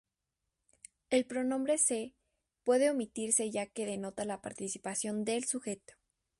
El pronombre "se" puede omitirse ya que denota la participación del sujeto.